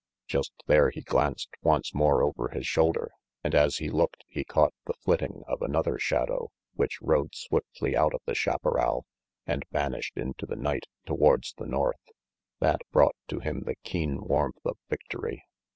Just there he glanced once more over his shoulder, and as he looked he caught the flitting of another shadow which rode swiftly out of the chaparral and vanished into the night towards the north. That brought to him the keen warmth of victory.